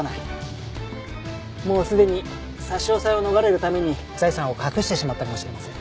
もうすでに差し押さえを逃れるために財産を隠してしまったかもしれません。